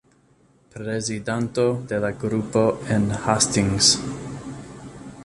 Prezidanto de la grupo en Hastings.